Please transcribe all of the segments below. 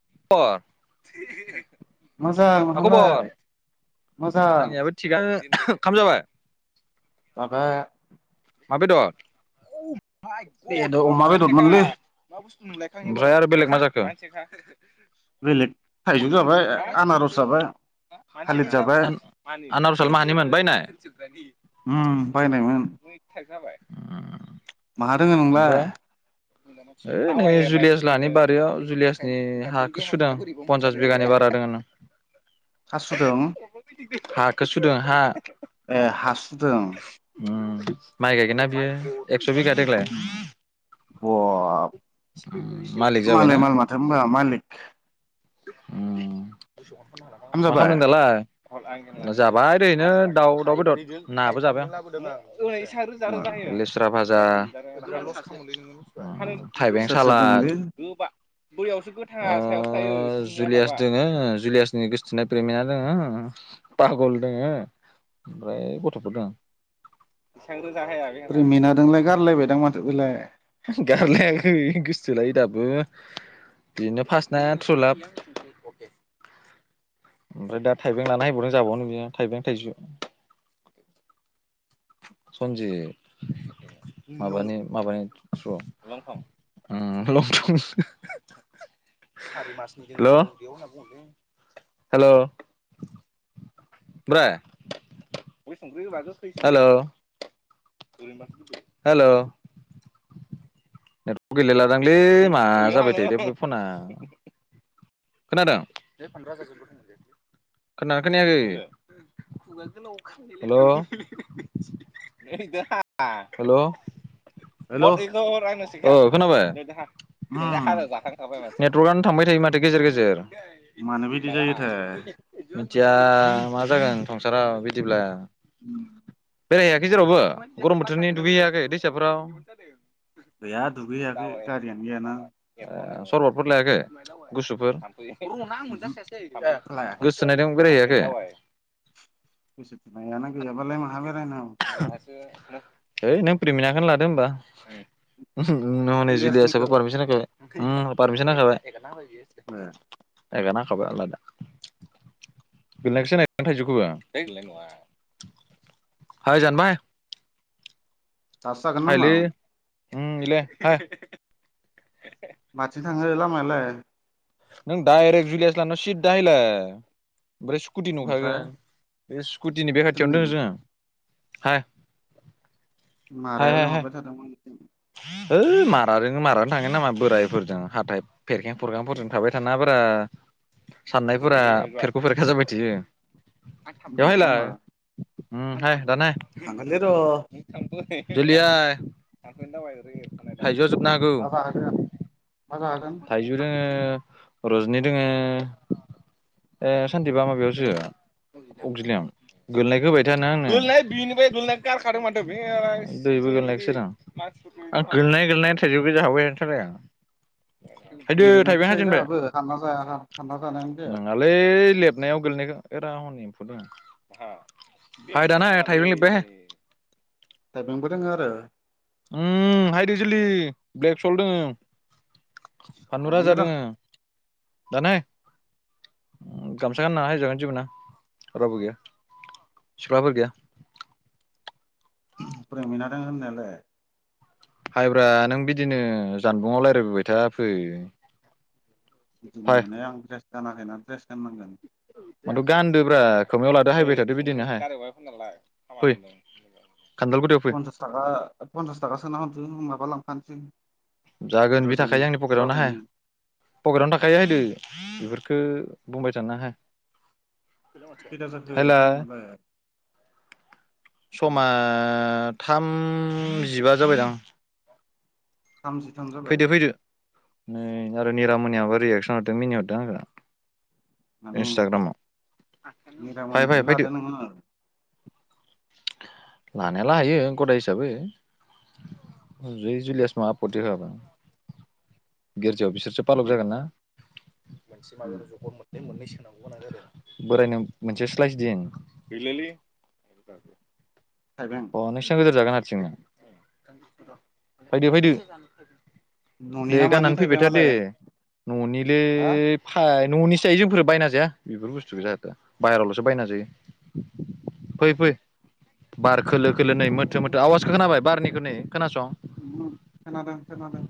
[unintelligible] मोजां मा नोंहालाय खबर मोजां आंनियाबो थिगानो ओंखाम जाबाय माबा मा बेदर माय बेदर गद अमा बेदरमोनलै [unintelligible] ओमफ्राय आरो बेलेग मा जाखो बेलेग थाइजौ जाबाय आनारस जाबाय थालिर जाबाय आनारसाल माहानिमोन बायनाय उम बायनायमोन उम उम उम माहा दङो नोंलाय ओइ नै जुलियास लाहानि बारियाव जुलियासनि हाखौ सुदों आं पन्सास बिगानि बारा दङ नों हा सुदों हाखौ सुदों हा ए हा सुदों उम माइ गायगोन ना बियो एक्स' बिगा देग्लाय बाब मालिक माला माल माथो होनबा मालिक ओम। ओंखाम मा जाबाय खालामदों दालाय? जाबाय ओरैनो दाउ दाउ बेदर नाबो जाबाय ओ आं लेस्रा फाज जा थाइबें सोर सोर सालाद दंलै बोरियावसो गोथाङा सायाव थायो जुलियास दङ जुलियासनि गोसोथोननाय प्रेमिना दङ पागल दङ ओमफ्राय गथ'फोर दङ ओरै मेनादोंलाय गारलायबायदां माथो बेलाय है गोसथोलायो दाबो बिनो फार्स्त ना थ्रु लाफ ओमफ्राय दा थाइबें लाना हैबावदों जाबावगोन बियो थाइबें थाइसुम सनजि माबानि माबानि [unintelligible] हेल' हेल' ओमफ्राय हेल' हेल' नेटवर्क गेलेलादांलै मा जाबाय थादों दे फना खोनादों खोनदोंना खोनायाखैे हेलव हेलव ब र [unintelligible] अ खोनाबाय? हेल' जाखांखाबाय [unintelligible] दान उम थांबाय [unintelligible] थै माथो गेजेर गेजेर मानो बिदि जायोथाय सिया मा जागोन संसारा बिदिब्ला [inaudible] बेरायहैयाखै जेरावबो गरम बोथोरनि दुगैहैयाखै दैसाफ्राव? गैया दुगैयाखै गारियानो गैया ना। सरबदफोर लायाखै? गुसुफोर? आं ओमहो मोनजासै लायाखै गोसोनाय दं बेरायहैै [unintelligible] [unintelligible] गोसो थोनायानो गैयाबालाय माहा बेरायनो? सै नों प्रिमिनाखौनो लादो होमबा नै जुलिया इलियासनिखौ साबारमस नाय [unintelligible] ओ पारमिसन नांखाबाय। [unintelligible] ह [unintelligible] नायग नांखाबाय आलादा गोनायखौसो थाइजौखौबोनाय नङा हाय जानबाय [unintelligible] दासो जागोन नामा? ओम इलाइ हाइ थांल मालाय नों डायरेक्ट जुलियास लाहानाव सिदा हायलाय ओमफ्राय स्कुटि ओमफ्राय नुखागोन बे स्कुटिनि बे जोंनि खाथियावनो दोंङो जोंङो। हाय [inaudible] मारायाव लेंहरबाय थादोंमोन है माराजों मारानो थांङो नामा बोरायफोरजों हाथाय फेरखें प्रग्रामफोरजों थाबाय थाना बारा साननायफोरा फेरख' फेरखा जाबाय थायो। बेयाव नंगौ हायलाय नामा ओम हाय दानो हाय थांगोनलै र' [inaudible] जलदि हाय थनो दावाय [unintelligible] फोजोबनो हागौ मा जाहोगोन मा जाहोगोन थाइजु‌ दोंङो रजनि दोंङो ए सानदिबा माबायावसो अगजिलियाम गोलैनायखो होबाय था नों आंनो गारखादों माथो दैबो गोनायसो आं गोरनाय गोनाय थाइजौ गो जाहाबायथाराय आं थायदो ओरैनो थाइबें जायो हायजेनबाय जोंहाबो हानना जाया हानना जानायानो जाया नंङालै लेबनायाव गोलैनायखौ [unintelligible] फायदा ना थायब्रै लेबबाय हो थाइबेंबो दोंङो आरो उय हाइद जलदि ब्लेक सल दोंङो फानलु राजा थांगोनलै र' दोङो दानो हाय गामसा गानना हैजागोन जेबो नङा रावबो गैया सिख्लाफोर गैया फोरोंहैना दों होननायालाय हाइब्रा नों बिदिनो जानबुंआव रायज्लायबोबाय था फै [inaudible] फाय गानाखैना ड्रेस गाननांगोन माथ' गानदोब्रा खोमायाव लादो हायबाय थादो बिदिनोहाय फै खान्दालगुरियाव फै पन्सास थाखा पन्सास थाखा सोना जों माबा लांफानोसै जागोन बे रज'नि थाखायो आंनि पकेरावनो हाय रहायनि पकेरावनो थाखायो हैदो बेफोरखौ ओ बुंबाय थानो हा खैथा जाखो हेलौ टाइमालाय समा थामजिबा जाबायदां थामजि थाम जाबाय फैदो [unintelligible] निरामनियाबो रियेकसन हरदों मिनिहरदों आंखौ [unintelligible] इन्सटाग्रामाव फाय फाय मिरामनिखौनो फैदो लादो नोङो लानायालाय हायो गदाय हिसाबै जै जुलिया [unintelligible] आफथि होआबा [unintelligible] [unintelligible] जागोन ना मोनसे [unintelligible] जगर मोननै मोननैसो बोरायनो मोनसे स्लायस दोन थाइबें [unintelligible] [inaudible] [inaudible] न'नि दे ना मानि गाननानै फैबाय था दे थाइबेंआलाय न'निलै हा फाय न'निसो जायो जोंफोरो बायना जाया बेफोर बुस्थुखौ जाहाथ' बाहेरावल'सो बायना जायो फै फै बार खोलो खोलो बबे नै मोथो मोथो खोनादों आवाजखौ खोनाबाय बारनि होनै खोनासं [inaudible] खोनादों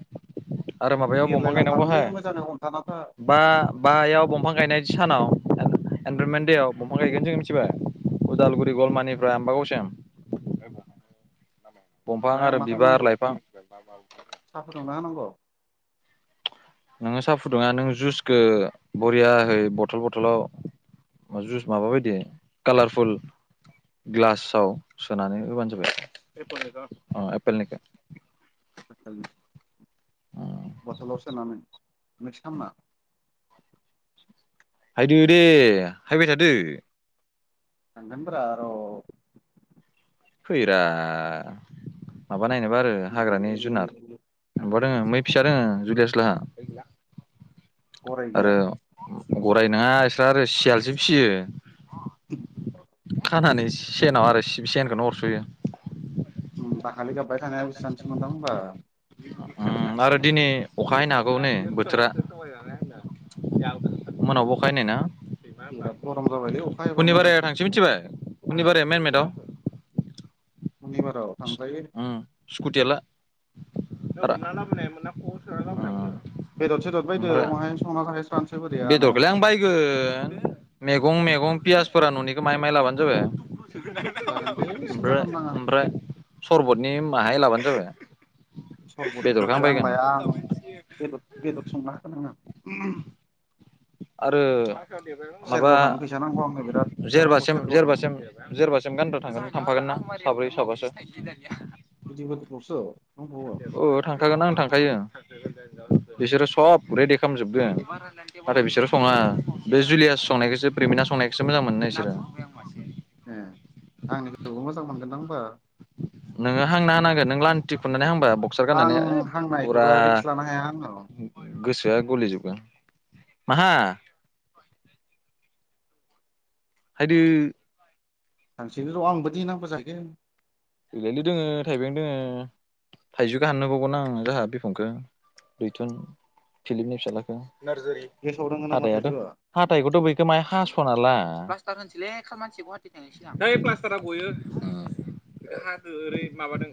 आरो माबायाव बिरलाय बंफां गायनांगौ लांफागोनलै हाय मोजाङै हमथाना था बा बायाव बंफां गायनाय सानाव एनभारनमेन्ट देवाव बंफां गायगोन जों मिथिबाय उदालगुरि गलमानिफ्राय आमबागावसिम दंफां ओमफाय आरो मा बिबार खालामनांगौ लाइफां साहा फुदुंना होनां अ नोङो साहा फुदुंङा नों जुसखो बरियाहै बथल बथलाव जुस माबा बायदि कालारफुल ग्लासाव सोनानै होबानो जाबाय एपोलनिखो [unintelligible] बथलाव सोनानै मिक्स खालामना [inaudible] थांगोनब्रा र' फैरा [inaudible] दोङो मै फिसा दोङो जुदियासलाङा गराय गैया आरो गराय नङा इस्रा आरो सियालसो फिसियो खानानै सेनाव आरो सिब सेनखौनो अर [unintelligible] ओम दाखालि गाबबाय थानाया [unintelligible] मोनदां होमबा [unintelligible] आरो दिनै अख हैनो हागौ नै बोथोरा मोनायावबो अखा हैनाय ना बिराद गरम जाबायलै अखा हायोबा हुनिबारायाव मोजांसो थांसै मिथिबाय [inaudible] [inaudible] थांजायो उम स्कुटियाला [unintelligible] बेदर सेदर बायदो बहाय संना जाहैस्रा बेदरखौलाय आं बायगोन मेगं मेगं फियासफोरा न'निखौ माइ लाबानो जाबाय। जागोन दे सिन्था ओमफ्राय खालामनाङा ओमफ्राय सरबतनि बाहाय लाबानो जाबाय। बेदरखौ सरबतफोरदा आं बायगोन लाया आं बेदद बेदद संना होनांगोन। उम आरो माबा थांनो फैसा नांगौ आंनो बिराद फैसा नांगौ जेरबासिम सेरगाव थांनो जेरबासिम जेरबासिम गानग्रा थांगोन थांफागोन ना साब्रै [unintelligible] बिदिबाथ फसो अ थांखागोन आं थांखायो। बिसोरो सब रेडि खालामजोबदों नाथाय बिसोरो सङा बे जुलियास संनायखौसो प्रेमिना संनायखौसो मोजां मोनो बिसोरो। आंनि गोजोआव मोजां मोनगोनदांबा। नोङो हांना होनांगोन नों लान्थि खुनानै हांबा बक्सार आं गाननानै ओय फुरा। हांनायखौबा रिक्स लानो हाया आङो गलि जोबगोन माहा। फैदो। थांसनि र' आं बायदि नांगौ जाहैगोन। एलायलै दोङो थाइबें दोङो थाइजौखौ हाननोबावगोन आङो जोंहा बिफांखौ रैथुन फिलिपनि फिसाज्लाखौ नारजारि गेसाव दोङो नामा हाथाइाथ' थाइजौआ हाथाइखौथ' बेैखौ मा हास'ना ला प्लास्टार होनसैलै खामानसो गौवाहाटि थांनोसै ना। थोर प्लास्टारा गयो ओ ओरै माबादों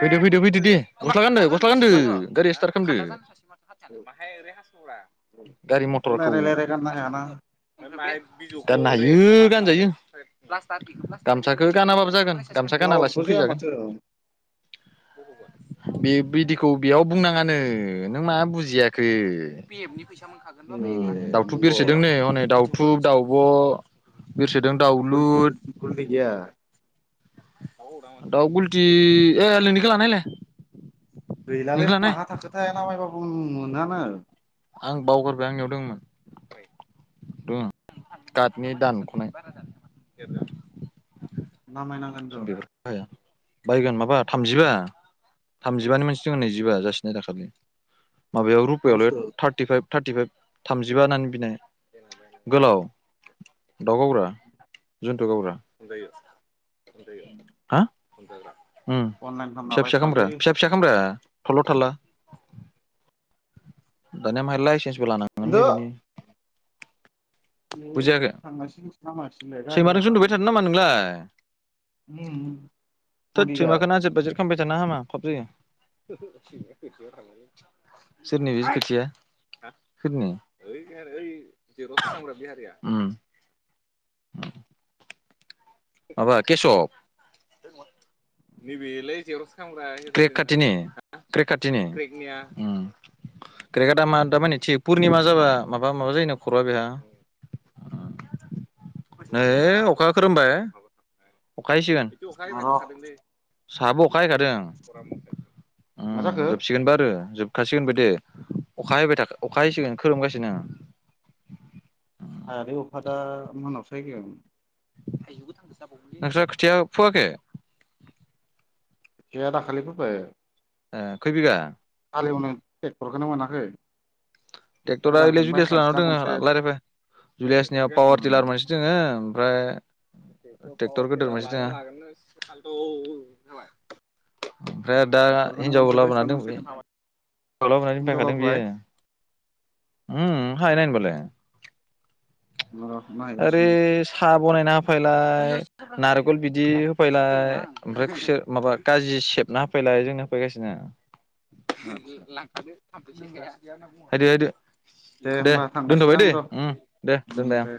फैदो फैदो फैदो दे गस्ला गानदों। गसला गानदो गारिस्टार खालामदो। [unintelligible] गारि रायलाय मथरखौ [unintelligible] रायलाय गारनो हायाना [unintelligible] गाननो हायो गानजायो गामसाखौ गानाबाबो जागोन। गामसा लाउदबो गानालासिनो जाया फैजागोन। माथो बे बिदिखौ बेयाव बुंनाङानो नों मा बुजियाखै। ए उम दाउथु नंगौ बिरसोदों नै हनै दाव थु, दाउब' बिरसोदों गल दाउलुर गलटि गैया। द गुलटि ए नोंनिखौलानो हैले। गैलालै माहा थाखोथायाया ना माय बाबो। उ मोनहानो आं बावगारबाय आंनियाव दंमोन दङ कारटनि दानख'नाय नामायनांगोन र' [unintelligible] बायगोन माबा थामजिबा थामजिबानि मोनसे दं नैजिबा जासिनाय दाखालि माबायाव मा रुपायावल' बुस्थु थार्टिफाइभ थार्टिफाइभ थामजिबा होननानै बिनाय गोलाव दाव गावग्रा गावग्रा जायो हा [unintelligible] उम अनलाइन खालामनो फिसा -फिसा खामब्रा बायस'आलै फिसा -फिसा खामब्रा थल'- थाला दानिया मा लायन्सेस लानांगोनलै बिनो बे थांगासिनो नामागासिनोलाय गारि सैमाजोंसो उन्दुबाय थादों लांनामोनलाय नामा नोंलाय उम थोद बदिगाद सैमाखौनो आजेद बाजेद खालामबाय थानो हामा फाब जायो सोरनि जे सोरनि उम [unintelligible] अखा हासिगोन बि अखा हबाय र' थाखादोंलै साबो अखा हायैखादों उ मा जाखो जोबसिगोनबो आरो जोबखासिगोनबो दे अखा हायैबाय थाख अखा हयैसिगोन खोरोमगासिनो हायालै अखादा मोनायावसो फैगोन नाख्रा खोथिया फोआखै गैया दाखालि फोबाय ए खैय बिघा हाललिवनो ट्रेक्टरखौनो मोनाखै ट्रेक्ट'रा ओइलाय गोदानखौनो जुुलियास लानाव बायस'नोसैदां दंङो गंसे रायलायबायज जुलियासनियाव उम पावार टिलार मोनसे दङो ओमफ्राय ट्रेक्टर गेदेर गंसे दंङो ओमफ्राय आरो दा ट्रेक्टरखौनो हिनजावबो मोनसे लाबोनानै बायस'नांसिगोन दां दंफैयो [unintelligible] [unintelligible] हिनजाव लाबोबाय र' नायहैगासिनो आरे सा बानायना होफैलाय नारखल बिदि होफैलाय ओमफ्राय खुसे माबा काजि सेबना होफैलाय जोंनो होफैगासिनो। आदसा आरो दे होमबा थांगासिनो दोनथ'बाय आं दैे र' दे उम दोनबाय। दे